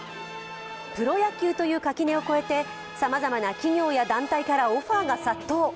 プロ野球という垣根を越えてさまざまな企業や団体からオファーが殺到。